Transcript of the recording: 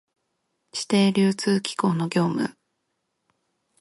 指定流通機構の業務